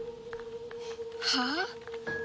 はあ？